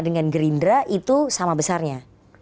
dengan gerindra itu sama besarnya